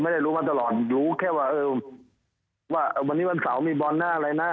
ได้รู้มาตลอดอยู่แค่ว่าเออว่าวันนี้วันเสาร์มีบอลหน้าอะไรนะ